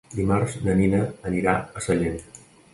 Dimarts na Nina anirà a Sallent.